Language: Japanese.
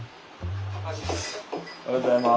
おはようございます。